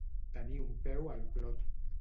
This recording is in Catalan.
Tenir un peu al clot.